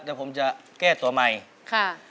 เดี๋ยวผมจะแก้ตัวใหม่ค่ะ